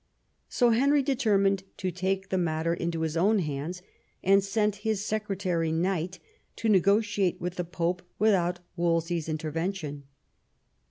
So Henry determined to take the matter into his own hands, and send his secretary Knight to negotiate with the Pope without Wolsey's intervention.